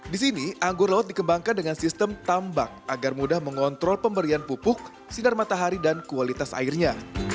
di sini anggur laut dikembangkan dengan sistem tambak agar mudah mengontrol pemberian pupuk sinar matahari dan kualitas airnya